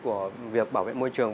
của việc bảo vệ môi trường